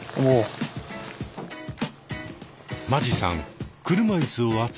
間地さん